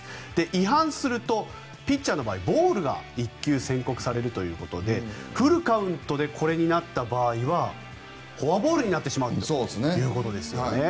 違反すると、ピッチャーの場合ボールが１球宣告されるということでフルカウントでこれになった場合はフォアボールになってしまうということですよね。